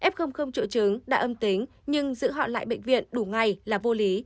f triệu chứng đã âm tính nhưng giữ họ lại bệnh viện đủ ngày là vô lý